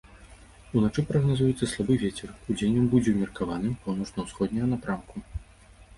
Уначы прагназуецца слабы вецер, удзень ён будзе ўмеркаваным, паўночна-ўсходняга напрамку.